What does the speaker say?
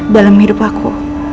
dalam hidup aku